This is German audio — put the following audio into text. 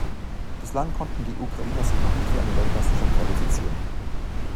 Bislang konnten die Ukrainer sich noch nicht für eine Weltmeisterschaft qualifizieren.